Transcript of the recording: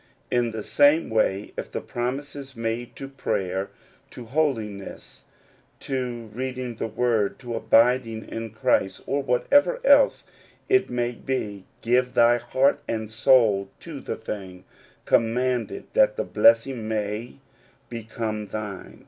In the same way, if the promise is made to prayer, to holiness, to reading the word, to abiding in Christ, or whatever else it may be, give thy heart and soul to the thing commanded, that the blessing may become thine.